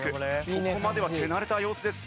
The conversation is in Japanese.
ここまでは手慣れた様子です。